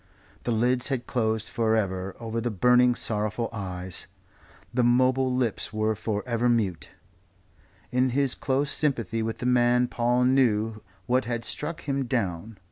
The lids had closed for ever over the burning, sorrowful eyes; the mobile lips were for ever mute. In his close sympathy with the man Paul knew what had struck him down.